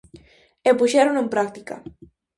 E puxérono en práctica.